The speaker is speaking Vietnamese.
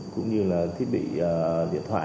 cũng như là thiết bị áp dụng